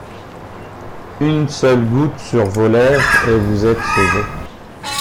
Une seule goutte sur vos lèvres, et vous êtes sauvé!